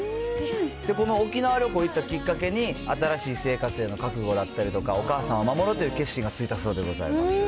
この沖縄旅行行ったきっかけに、新しい生活への覚悟だったりとか、お母さんを守ろうという決心がついたそうでございます。